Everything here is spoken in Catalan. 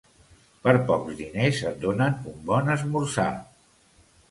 Per pocs diners, et donen un bon esmorzar.